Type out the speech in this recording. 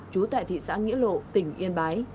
chú tại thị xã nghĩa lộ tỉnh yên bái